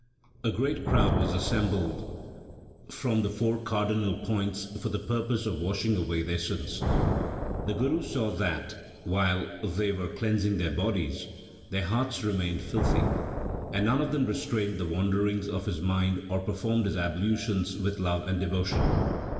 A great crowd was assembled from the four cardinal points for the purpose of washing away their sins. The Guru saw that, while they were cleansing their bodies, their hearts remained filthy ; and none of them restrained the wanderings of his mind or performed his ablutions with love and devotion.